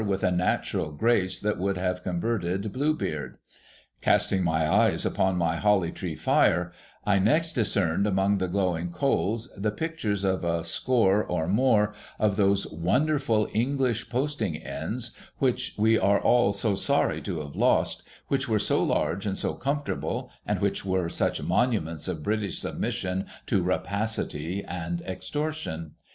with a natural grace that would haAC converted Blue Beard. Casting my eyes upon my Holly Tree fire, I next discerned among the glowing coals the pictures of a score or more CONTINENTAL INNS loi of those wonderful English posting inns which we are all so sorry to have lost, which were so large and so comfortable, and which were such monuments of British submission to rapacity and extortion.